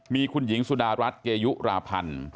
มีคุณหญิงสุดารัฐเกยุราพันธ์